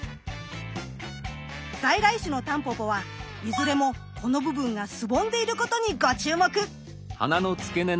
在来種のタンポポはいずれもこの部分がすぼんでいることにご注目。